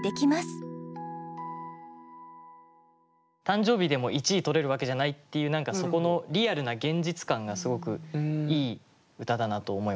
誕生日でも一位とれるわけじゃないっていう何かそこのリアルな現実感がすごくいい歌だなと思いました。